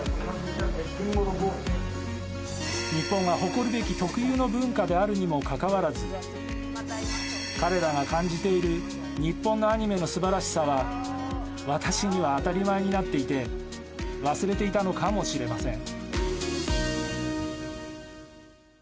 日本が誇るべき特有の文化であるにもかかわらず彼らが感じている日本のアニメの素晴らしさは私には当たり前になっていて忘れていたのかもしれません。